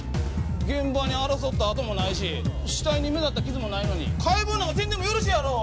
現場に争った跡もないし死体に目立った傷もないのに解剖なんかせんでもよろしいやろ！